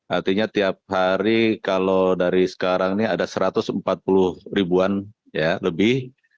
artinya tiap hari kalau dari sekarang ini ada satu ratus empat puluh ribuan ya lebih